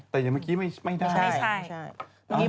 แต่ยังไม่ได้